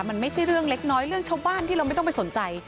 มันไม่ใช่เรื่องเล็กน้อยเรื่องชาวบ้านที่เราไม่ต้องไปสนใจ